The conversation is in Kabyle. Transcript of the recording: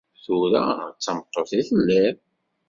Tura d tameṭṭut i telliḍ.